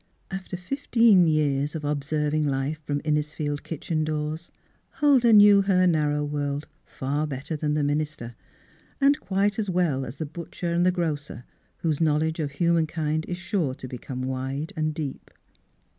After fifteen years of observing life from Innisfield kitchen doors Huldah knew her narrow world far better than the min ister, and quite as well as the butcher and the grocer, whose knowledge of human kind is sure to become wide and deep.